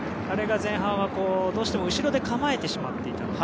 あれが前半はどうしても後ろで構えてしまっていた。